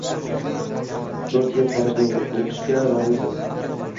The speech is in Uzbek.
Tort'yil xorijda oʻqitishga rozimisiz?